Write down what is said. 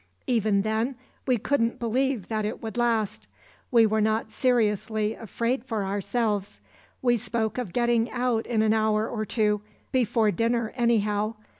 "Even then we couldn't believe that it would last. We were not seriously afraid for ourselves. We spoke of getting out in an hour or two, before dinner anyhow.